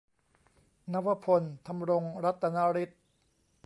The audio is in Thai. นวพล ธำรงรัตนฤทธิ์